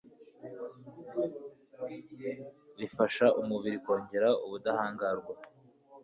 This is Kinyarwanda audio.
bifasha umubiri kongera ubudahangarwa